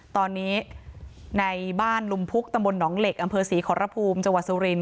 ตอนนี้ในบ้านลุมพุกตำบลหนองเหล็กอำเภอศรีขอรภูมิจังหวัดสุรินท